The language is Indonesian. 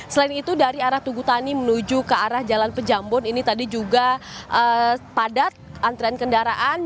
selain itu dari arah tugutani menuju ke arah jalan pejambon ini tadi juga padat antrian kendaraan